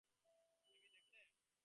Baby, দেখলে?